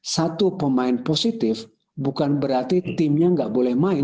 satu pemain positif bukan berarti timnya nggak boleh main